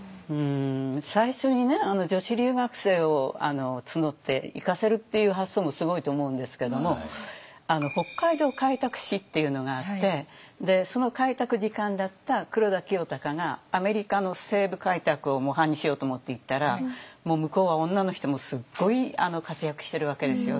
最初に女子留学生を募って行かせるっていう発想もすごいと思うんですけども北海道開拓使っていうのがあってその開拓次官だった黒田清隆がアメリカの西部開拓を模範にしようと思って行ったらもう向こうは女の人もすごい活躍してるわけですよ